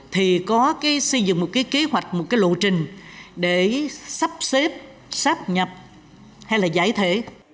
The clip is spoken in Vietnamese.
thì có cái xây dựng một cái kế hoạch một cái lộ trình để sắp xếp sắp nhập hay là giải thể